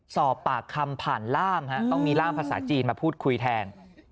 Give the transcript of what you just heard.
สอบปากคำผ่านล่ามต้องมีร่ามภาษาจีนมาพูดคุยแทน